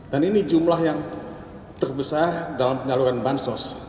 dan ini jumlah yang terbesar dalam penyaluran bansos